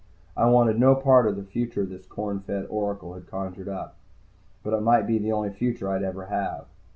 I wanted no part of the future this corn fed oracle had conjured up. But it might be the only future I'd ever have.